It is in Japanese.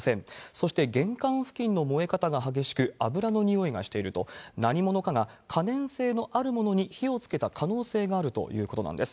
そして、玄関付近の燃え方が激しく、油の臭いがしていると、何者かが可燃性のあるものに火をつけた可能性があるということなんです。